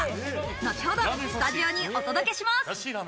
後ほどスタジオにお届けします。